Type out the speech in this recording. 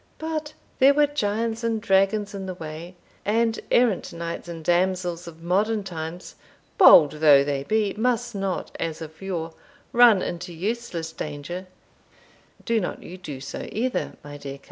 But there were giants and dragons in the way; and errant knights and damsels of modern times, bold though they be, must not, as of yore, run into useless danger Do not you do so either, my dear coz."